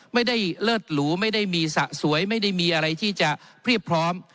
ไม่ได้เลิศหรูไม่ได้มีสะสวยไม่ได้มีอะไรที่จะเพรียบพร้อม